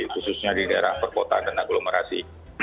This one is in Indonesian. khususnya di daerah perkotaan dan aglomerasi